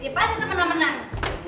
dia pasti semenang menang